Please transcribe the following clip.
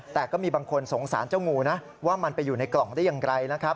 แต่ก็มีบางคนสงสารเจ้างูนะว่ามันไปอยู่ในกล่องได้อย่างไรนะครับ